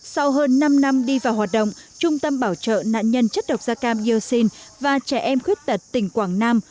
sau hơn năm năm đi vào hoạt động trung tâm bảo trợ nạn nhân chất độc da cam dioxin và trẻ em khuyết tật tỉnh quảng nam